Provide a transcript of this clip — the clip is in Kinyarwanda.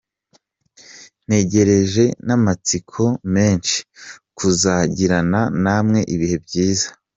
Ntegereje n’amatsiko menshi kuzagirana namwe ibihe byiza.